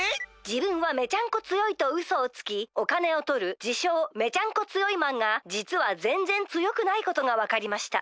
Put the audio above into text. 「じぶんはめちゃんこ強いとうそをつきおかねをとるじしょうめちゃんこ強いマンがじつはぜんぜん強くないことがわかりました」。